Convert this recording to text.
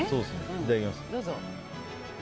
いただきます。